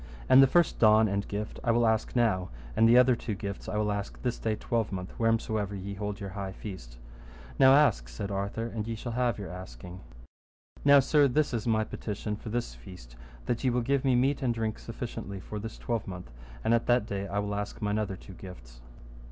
And the first don and gift I will ask now, and the other two gifts I will ask this day twelvemonth, wheresomever ye hold your high feast. Now ask, said Arthur, and ye shall have your asking. Now, sir, this is my petition for this feast, that ye will give me meat and drink sufficiently for this twelvemonth, and at that day I will ask mine other two gifts.